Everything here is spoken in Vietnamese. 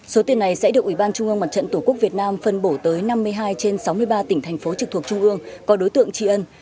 số tiền này sẽ được ủy ban trung ương mặt trận tổ quốc việt nam phân bổ tới năm mươi hai trên sáu mươi ba tỉnh thành phố trực thuộc trung ương có đối tượng tri ân